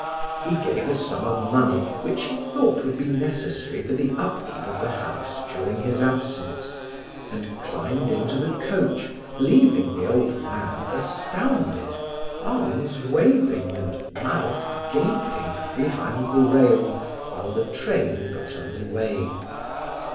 He gave a sum of money which he thought would be necessary for the upkeep of the house during his absence, and climbed into the coach, leaving the old man astounded, arms waving and mouth gaping, behind the rail, while the train got under way.